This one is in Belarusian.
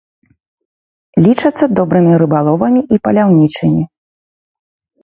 Лічацца добрымі рыбаловамі і паляўнічымі.